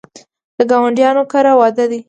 د ګاونډیانو کره واده دی